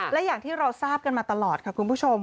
และอย่างที่เราทราบกันมาตลอดค่ะคุณผู้ชม